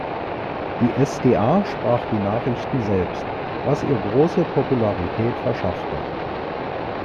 Die sda sprach die Nachrichten selbst, was ihr grosse Popularität verschaffte.